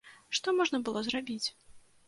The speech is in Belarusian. Што можна было зрабіць?